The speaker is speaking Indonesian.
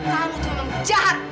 kamu tuhan jahat